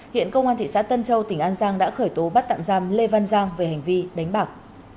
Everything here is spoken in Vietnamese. hiện công an thị xã tân châu tỉnh an giang đã khởi tố bắt tạm giam lê văn giang về hành vi đánh bạc